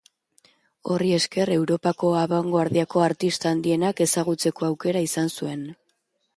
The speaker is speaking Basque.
Horri esker Europako abangoardiako artista handienak ezagutzeko aukera izan zuen.